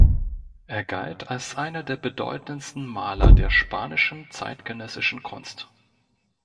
Er galt als einer der bedeutendsten Maler der spanischen zeitgenössischen Kunst.